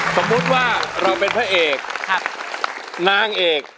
สมมุติว่าเราเป็นพระเอกนางเอก